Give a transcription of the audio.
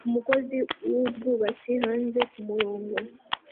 Umukozi wubwubatsi hanze kumurongo